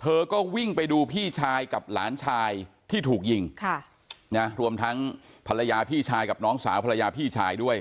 เธอก็วิ่งไปดูพี่ชายกับหลานชายที่ถูกยิงรวมทั้งภรรยาพี่ชายกับน้องสาวภรรยาพี่ชายด้วย